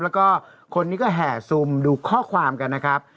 แล้วก็คนนี้ก็แห่ซุมดูข้อความกันนะครับ